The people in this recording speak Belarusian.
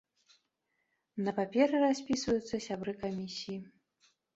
На паперы распісваюцца сябры камісіі.